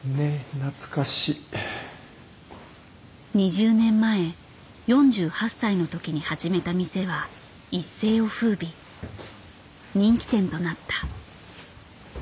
２０年前４８歳の時に始めた店は一世を風靡人気店となった。